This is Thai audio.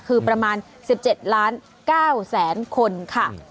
คือประมาณ๑๗ล้าน๙แสนคนค่ะ